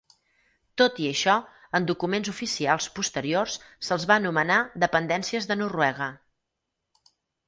Tot i això, en documents oficials posteriors se'ls va anomenar "dependències de Noruega".